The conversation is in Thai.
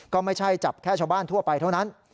ก็ไม่ใช่จับแค่ชาวบ้านทั่วไปเท่านั้น